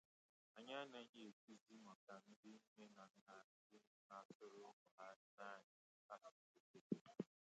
Anyị anaghị ekwuzị maka ndị nne na nna ndị na-asụrụ ụmụ ha naanị asụsụ bekee